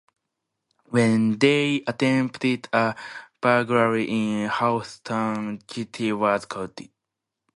When they attempted a burglary in Houston, Kitty was caught.